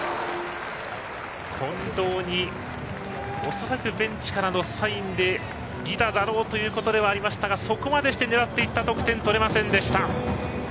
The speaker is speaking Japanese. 近藤におそらくベンチからのサインで犠打だろうということでそこまでして狙っていった得点は取れませんでした。